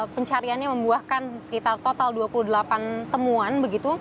pencariannya membuahkan sekitar total dua puluh delapan temuan begitu